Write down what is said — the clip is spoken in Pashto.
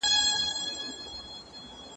هغه پرون په لاره کي وګرځېدی.